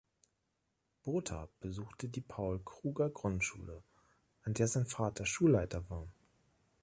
Botha besuchte die Paul-Kruger-Grundschule, an der sein Vater Schulleiter war.